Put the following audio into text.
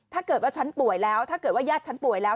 ถ้าเกิดว่าฉันป่วยแล้วถ้าเกิดว่าญาติฉันป่วยแล้ว